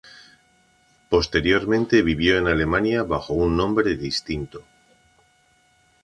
Posteriormente vivió en Alemania bajo un nombre distinto.